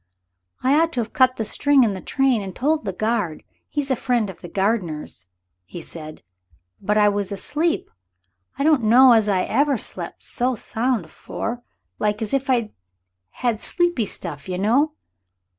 "I ought to have cut the string in the train and told the guard he's a friend of the gardener's," he said, "but I was asleep. I don't know as ever I slep' so sound afore. Like as if I'd had sleepy stuff you know.